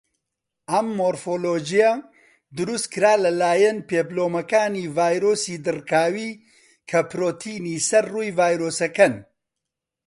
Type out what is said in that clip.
ئەم مۆرفۆلۆجیە دروستکرا لەلایەن پێپلۆمەکانی ڤایرۆسی دڕکاوی، کە پڕۆتینی سەر ڕووی ڤایرۆسەکەن.